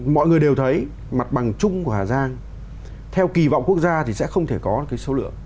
mọi người đều thấy mặt bằng trung của hà giang theo kỳ vọng quốc gia thì sẽ không thể có số lượng